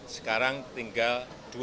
sekarang tinggal dua puluh empat